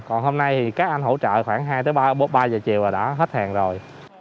còn hôm nay thì các anh hỗ trợ khoảng hai ba giờ chiều rồi đã hết hàng rồi